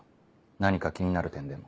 何か気になる点でも？